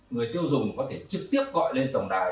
người tiêu dùng có thể trực tiếp gọi lên tổng đài